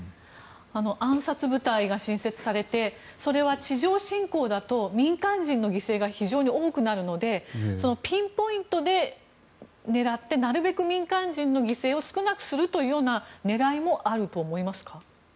暗殺部隊が新設されてそれは地上侵攻だと民間人の犠牲が非常に多くなるのでピンポイントで狙ってなるべく民間人の犠牲を少なくするというような狙いもあると思いますか？